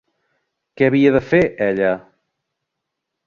Què havia de fer, ella?